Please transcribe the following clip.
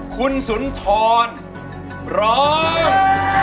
คุณสุนทรร้อง